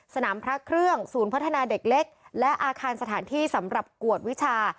สนามพระเครื่องศูนย์พัฒนาเด็กเล็กและอาคารสถานที่สำหรับกวดวิชา